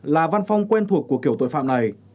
là văn phong quen thuộc của kiểu tội phạm này